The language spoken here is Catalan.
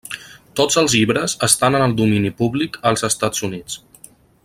Tots els llibres estan en el domini públic als Estats Units.